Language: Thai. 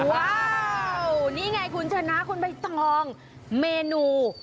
ว้าวนี่ไงคุณชนะคุณใบตองเมนู